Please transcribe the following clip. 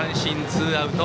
ツーアウト。